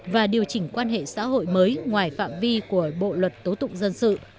và điều chỉnh quan hệ xã hội mới ngoài phạm vi của bộ luật tố tụng dân sự